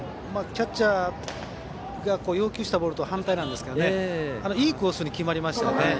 キャッチャーが要求したボールとは反対なんですけどいいコースに決まりましたね。